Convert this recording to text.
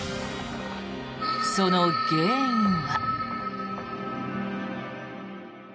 その原因は。